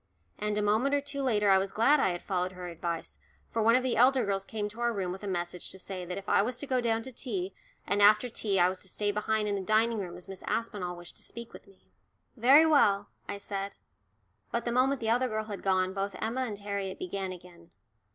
And a moment or two later I was glad I had followed her advice, for one of the elder girls came to our room with a message to say that I was to go down to tea, and after tea I was to stay behind in the dining room as Miss Aspinall wished to speak to me. "Very well," I said. But the moment the other girl had gone both Emma and Harriet began again.